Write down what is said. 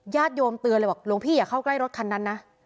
โยมเตือนเลยบอกหลวงพี่อย่าเข้าใกล้รถคันนั้นนะ